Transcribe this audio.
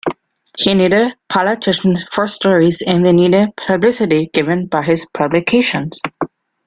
He needed politicians for stories and they needed the publicity given by his publications.